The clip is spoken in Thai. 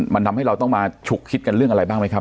มันทำให้เราต้องมาฉุกคิดกันเรื่องอะไรบ้างไหมครับ